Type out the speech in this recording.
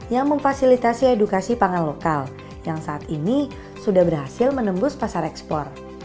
yang memfasilitasi edukasi pangan lokal yang saat ini sudah berhasil menembus pasar ekspor